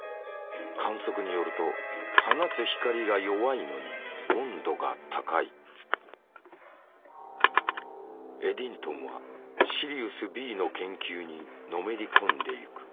観測によるとエディントンはシリウスＢの研究にのめり込んでいく。